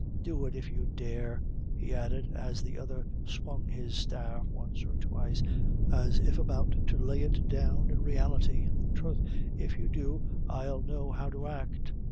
do it if you dare," he added, as the other swung his staff once or twice, as if about to lay it down in reality; "troth, if you do, I'll know how to act."